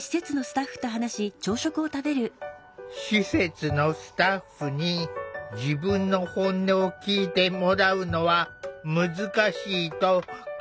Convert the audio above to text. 施設のスタッフに自分の本音を聴いてもらうのは難しいと感じてきた。